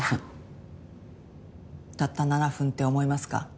たった７分って思いますか？